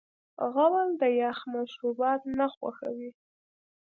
غول د یخ مشروبات نه خوښوي.